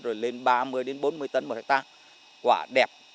rồi lên ba mươi bốn mươi tấn một hectare quả đẹp